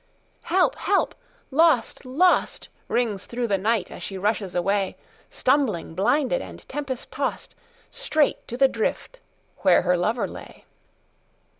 "Help! help!" "Lost! lost!"Rings through the night as she rushes away, Stumbling, blinded and tempest tossed, Straight to the drift where her lover lay.